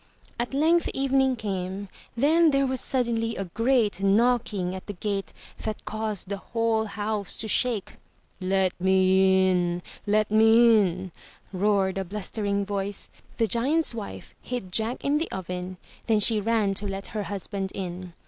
At length evening came, then there was suddenly a great knocking at the gate that caused the whole house to shake. *'Let me in ! Let me in V roared a blustering voice. The giant's wife hid Jack in the oven, then she ran to let her husband in.